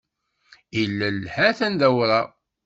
Ilel ha-t-an d awraɣ.